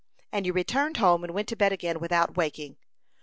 And you returned home and went to bed again without waking.